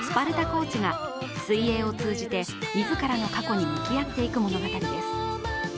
コーチが水泳を通じて自らの過去に向き合っていく物語です。